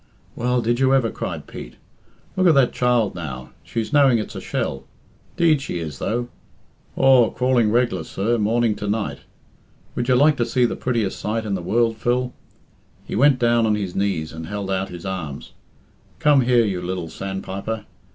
"Well, did you ever?" cried Pete. "Look at that child now. She's knowing it's a shell. 'Deed she is, though. Aw, crawling reg'lar, sir, morning to night. Would you like to see the prettiest sight in the world, Phil?" He went down on his knees and held out his arms. "Come here, you lil sandpiper.